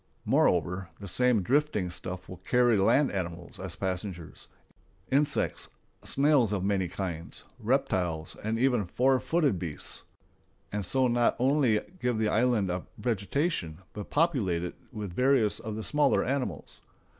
Moreover, the same drifting stuff will carry land animals as passengers,—insects, snails of many kinds, reptiles, and even four footed beasts,—and so not only give the island a vegetation, but populate it with various of the smaller animals.